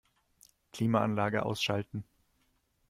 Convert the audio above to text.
Klimaanlage ausschalten.